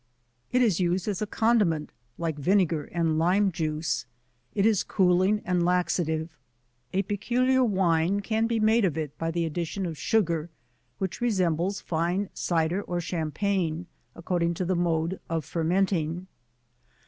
It is used as a condiment lilce vinegar and lime juice. It is cooling and laxative : a peculiar Wine can be made with it by the addition of sugar, which re sembles fine Cider or Champaigne, according to the mode of fermenting.